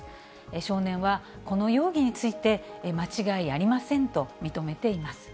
少年は、この容疑について間違いありませんと認めています。